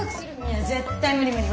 いや絶対無理無理！